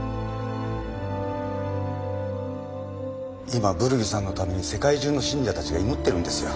今ブルギさんのために世界中の信者たちが祈ってるんですよ。